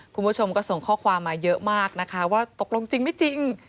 คุณผู้ชมก็ส่งข้อความมาเยอะมากนะคะว่าตกลงจริงไม่จริง